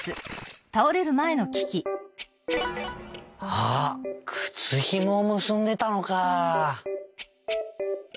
あっくつひもをむすんでたのか！